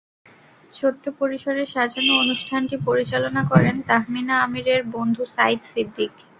ছোট্ট পরিসরে সাজানো অনুষ্ঠানটি পরিচালনা করেন তাহমিনা আমীরের বন্ধু সাইদ সিদ্দীক।